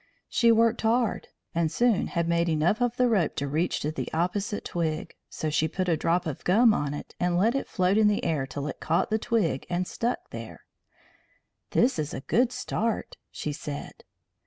She worked hard, and soon had made enough of the rope to reach to the opposite twig, so she put a drop of gum on it and let it float in the air till it caught the twig and stuck there. "This is a good start," she said.